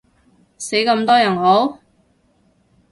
死咁多人好？